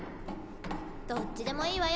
どっちでもいいわよ